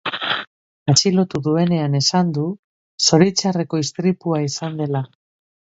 Atxilotu duenean esan du, zoritxarreko istripua izan dela.